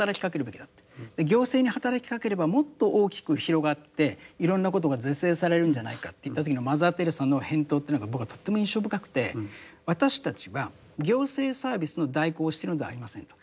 行政に働きかければもっと大きく広がっていろんなことが是正されるんじゃないかと言った時のマザー・テレサの返答というのが僕はとっても印象深くて私たちは行政サービスの代行をしてるのではありませんと。